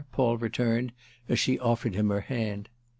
Paul returned as she offered him her hand.